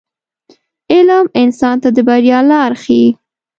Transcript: • علم انسان ته د بریا لار ښیي.